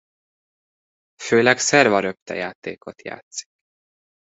Főleg szerva-röpte játékot játszik.